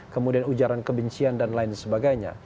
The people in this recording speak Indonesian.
kemudian ujaran kebencian dan lain sebagainya